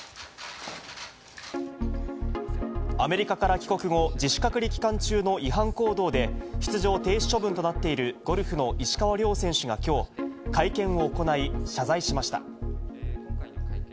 アメリカから帰国後、自主隔離期間中の違反行動で、出場停止処分となっているゴルフの石川遼選手がきょう、会見を行い、謝罪しました。